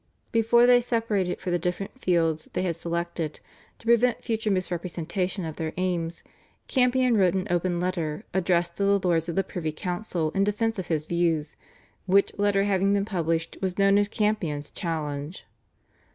Before they separated for the different fields they had selected, to prevent future misrepresentation of their aims, Campion wrote an open letter addressed to the lords of the privy council in defence of his views, which letter having been published was known as "Campion's challenge."